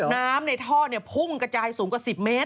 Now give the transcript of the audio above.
น้ำในท่อพุ่งกระจายสูงกว่า๑๐เมตร